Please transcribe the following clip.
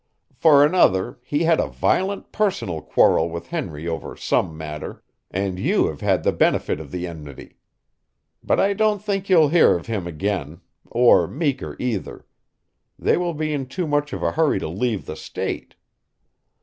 For another, he had a violent personal quarrel with Henry over some matter, and you have had the benefit of the enmity. But I don't think you'll hear of him again or Meeker either. They will be in too much of a hurry to leave the state."